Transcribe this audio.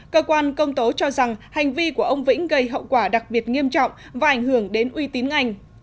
cơ quan công tố cho rằng hành vi của ông vĩnh gây hậu quả đặc biệt nghiêm trọng và ảnh hưởng đến uy tín ngành